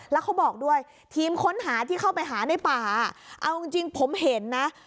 แล้วเขาบอกด้วยทีมค้นหาที่เข้าไปหาในป่าเอาจริงผมเห็นนะ